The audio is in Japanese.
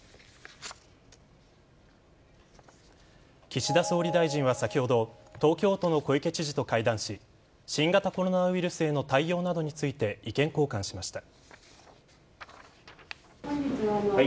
岸田総理大臣は先ほど東京都の小池知事と会談し新型コロナウイルスへの対応などについて意見交換しました。